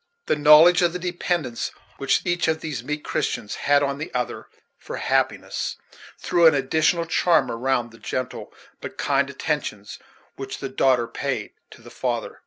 The knowledge of the dependence which each of these meek Christians had on the other for happiness threw an additional charm around the gentle but kind attentions which the daughter paid to the father.